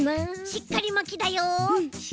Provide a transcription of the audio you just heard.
しっかりまきだよ。